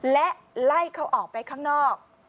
และไล่เขาออกไปข้างนอก